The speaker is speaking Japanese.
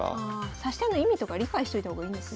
指し手の意味とか理解しといた方がいいんですね。